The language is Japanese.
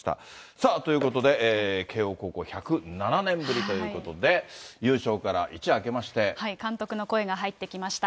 さあ、ということで慶応高校１０７年ぶりということで、監督の声が入ってきました。